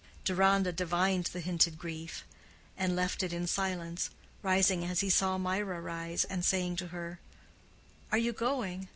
Deronda divined the hinted grief, and left it in silence, rising as he saw Mirah rise, and saying to her, "Are you going?